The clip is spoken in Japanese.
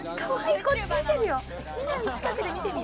こっち見てるよ。